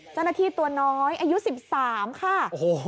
เจ้าหน้าที่ตัวน้อยอายุ๑๓ค่ะ